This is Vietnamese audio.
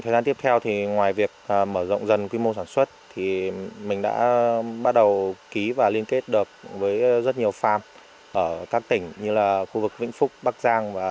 ngoài việc mở rộng dần quy mô sản xuất mình đã bắt đầu ký và liên kết được với rất nhiều farm ở các tỉnh như là khu vực vĩnh phúc bắc giang